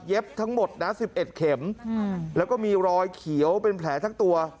ทั้งหมดนะ๑๑เข็มแล้วก็มีรอยเขียวเป็นแผลทั้งตัว